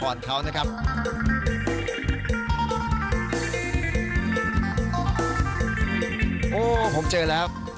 โอ้โหผมเจอแล้ว